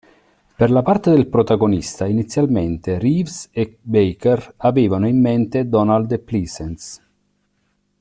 Per la parte del protagonista, inizialmente Reeves e Baker avevano in mente Donald Pleasence.